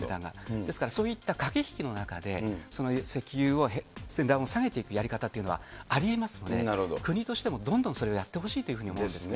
ですからそういった駆け引きの中で、その石油の値段をだんだん下げていくやり方というありえますので、国としてもどんどんそれをやってほしいというふうに思うんですね。